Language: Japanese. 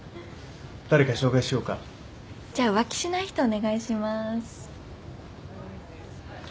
じゃ浮気しない人お願いします。